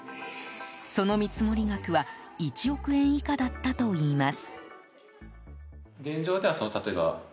その見積もり額は１億円以下だったといいます。